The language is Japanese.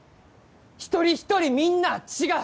一人一人、みんなあ違う！